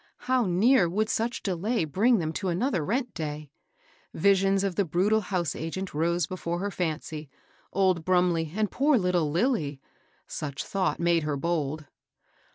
How near, would* such* delay bring them to another rent day I Visions of the brutal house agent rose before her fancy, — old Brumbley and poor little Lilly! Such thought made her bold.